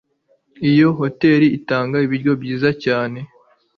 Iyo hoteri itanga ibiryo byiza cyane